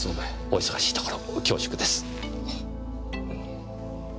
お忙しいところ恐縮です。